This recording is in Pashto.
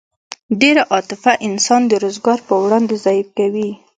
ډېره عاطفه انسان د روزګار په وړاندې ضعیف کوي